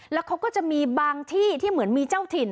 แล้วเขาก็จะมีบางที่ที่เหมือนมีเจ้าถิ่น